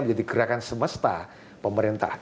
menjadi gerakan semesta pemerintah